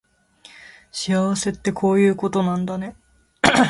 幸せってこういうことなんだね